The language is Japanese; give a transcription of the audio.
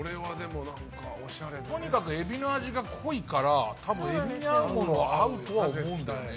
とにかくエビの味が濃いから多分エビに合うものは合うと思うんだよね。